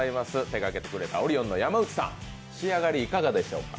手がけてくれたオリオンの山内さん、仕上がりいかがでしょうか？